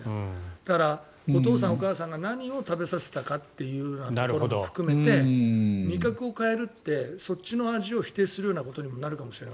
だから、お父さんお母さんが何を食べさせたかということを含めて味覚を変えるってそっちの味を否定するようなことにもなるかもしれない。